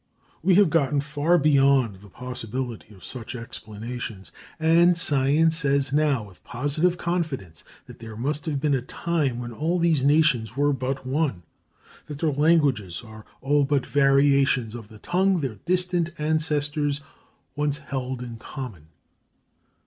We have gotten far beyond the possibility of such explanations; and science says now with positive confidence that there must have been a time when all these nations were but one, that their languages are all but variations of the tongue their distant ancestors once held in common.